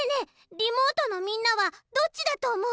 リモートのみんなはどっちだとおもうち？